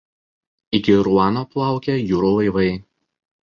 Iki Ruano plaukia jūrų laivai.